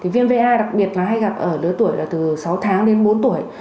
viêm va đặc biệt hay gặp ở lứa tuổi từ sáu tháng đến bốn tuổi